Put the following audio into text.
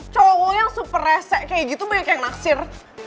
cowok maunya super rese kayak gitu banyak yang naksir